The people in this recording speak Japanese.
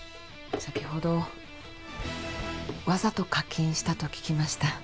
先ほどわざと課金したと聞きました